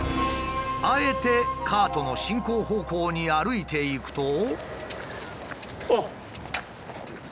あえてカートの進行方向に歩いていくと。